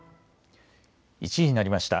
１時になりました。